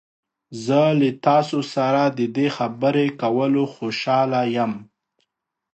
زه له تاسو سره د دې خبرې کولو خوشحاله یم.